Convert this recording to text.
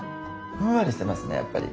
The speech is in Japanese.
ふんわりしてますねやっぱり。